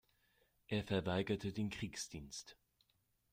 Er verweigerte den Kriegsdienst.